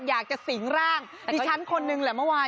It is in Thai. อยากจะสิงร่างดิฉันคนนึงแหละเมื่อวาน